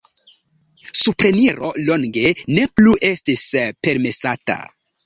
Supreniro longe ne plu estis permesata.